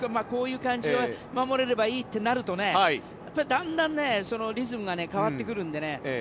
こういう感じで守ればいいってなるとねだんだんリズムが変わってくるんでね。